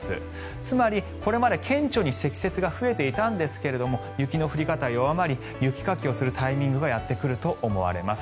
つまり、このあと顕著に積雪が増えていたんですが雪の降り方、弱まり雪かきをするタイミングがやってくると思われます。